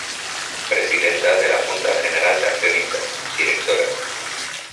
Presidenta de la Junta General de Accionistas: Dra.